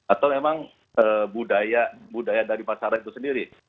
atau memang budaya dari masyarakat itu sendiri